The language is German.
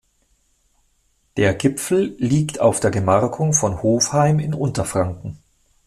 Der Gipfel liegt auf der Gemarkung von Hofheim in Unterfranken.